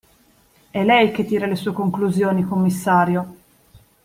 È lei che tira le sue conclusioni, commissario.